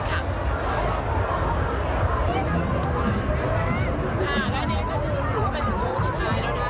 ค่ะและนี่ก็คือถือว่าเป็นโค้งสุดท้ายนะคะ